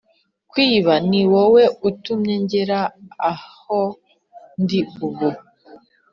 kwiba niwowe utumye ngera aho ndi ubu,